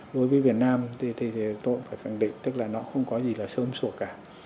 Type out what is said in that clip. đối với việt nam thì tôi cũng phải khẳng định tức là nó không có gì là sớm sủa cả